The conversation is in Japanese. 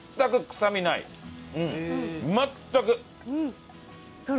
全く。